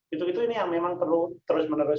itu itu yang memang perlu terus menentukan